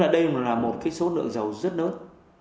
đây là một số lượng dầu rất lớn